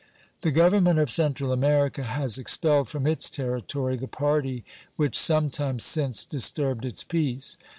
The Government of Central America has expelled from its territory the party which some time since disturbed its peace.